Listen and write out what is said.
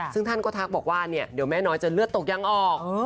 ซึ่งท่านก็ทักบอกว่าเนี่ยเดี๋ยวแม่น้อยจะเลือดตกยังออก